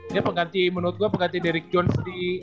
dia pengganti menurut gue pengganti derrick jones di